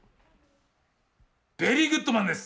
ベリーグッドマンです。